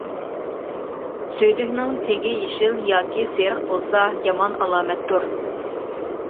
سۈيدۈكنىڭ تېگى يېشىل ياكى سېرىق بولسا يامان ئالامەتتۇر.